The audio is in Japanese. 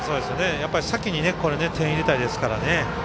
やっぱり先に点を入れたいですからね。